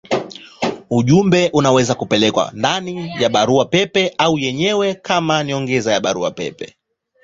Ujumbe unaweza kupelekwa ndani ya barua pepe yenyewe au kama nyongeza ya barua pepe.